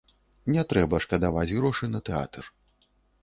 Не трэба шкадаваць грошы на тэатр.